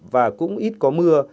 và cũng ít có mưa